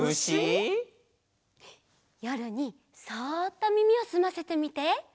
よるにそっとみみをすませてみて。